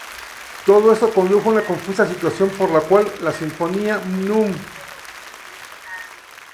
Todo esto condujo a una confusa situación por la cual la "Sinfonía núm.